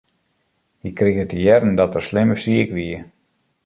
Hy krige te hearren dat er slim siik wie.